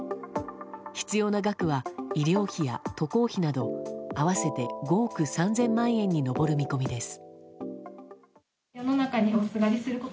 必要な額は、医療費や渡航費など合わせて５億３０００万円に上る見込みです。